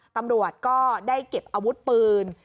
ตำรวจก็ได้เก็บอาวุธปืน